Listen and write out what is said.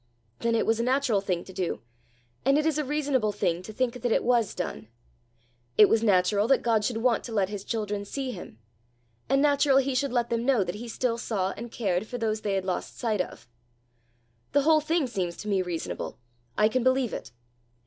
"Then it was a natural thing to do; and it is a reasonable thing to think that it was done. It was natural that God should want to let his children see him; and natural he should let them know that he still saw and cared for those they had lost sight of. The whole thing seems to me reasonable; I can believe it.